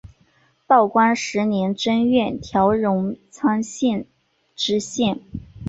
道光十年正月调荣昌县知县。